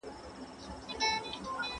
موږ د کور ټولې کړکۍ خلاصې کړې.